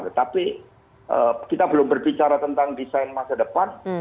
tetapi kita belum berbicara tentang desain masa depan